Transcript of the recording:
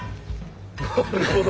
なるほど。